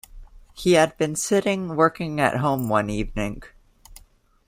He had been sitting working at home one evening.